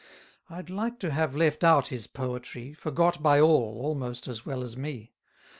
I'd like to have left out his poetry; Forgot by all almost as well as me.